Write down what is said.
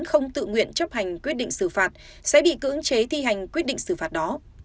không tự nguyện chấp hành quyết định xử phạt sẽ bị cưỡng chế thi hành quyết định xử phạt đó